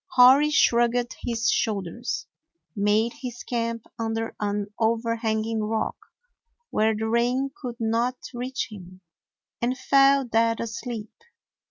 Hori shrugged his shoulders, made his camp under an overhanging rock, where the rain could not reach him, and fell dead asleep.